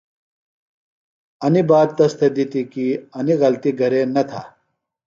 انی بات تس تھےۡ دِتی کی انیۡ غلطی گہرےۡ نہ تھہ۔